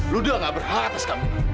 lo doang gak berhak atas camila